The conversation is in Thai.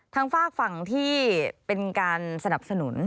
ฝากฝั่งที่เป็นการสนับสนุน